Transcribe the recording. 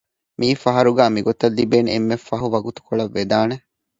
މީއީ ފަހަރުގަ މިގޮތަށް ލިބޭނެ އެންމެ ފަހު ވަގުތުކޮޅަށް ވެދާނެ